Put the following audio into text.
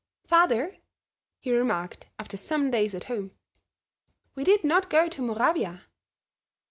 "Father," he remarked, after some days at home, "we did not go to Moravia.